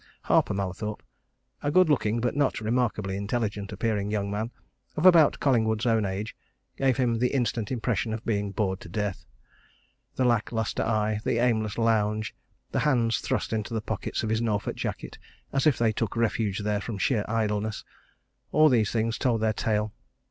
Harper Mallathorpe, a good looking, but not remarkably intelligent appearing young man, of about Collingwood's own age, gave him the instant impression of being bored to death; the lack lustre eye, the aimless lounge, the hands thrust into the pockets of his Norfolk jacket as if they took refuge there from sheer idleness all these things told their tale.